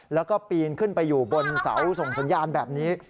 แล้วก็ปีนขึ้นไปอยู่บนเสาส่งสัญญาณแบบนี้